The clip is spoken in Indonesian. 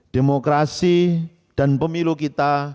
demokrasi dan pemilu kita